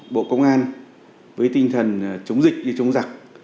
bộ công an với tinh thần chống dịch như chống giặc